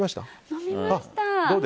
飲みました。